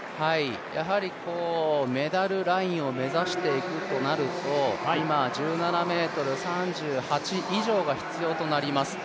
やはりメダルラインを目指していくということになると、今、１７ｍ３８以上が必要となります。